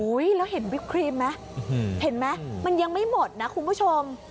แล้วเห็นวิปครีมไหมเห็นไหมมันยังไม่หมดนะคุณผู้ชม